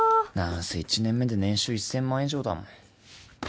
なんせ１年目で年収１０００万以上だもん